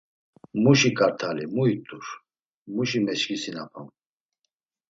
Muşi kart̆ali, mu it̆ur, muşi meşǩisinapam?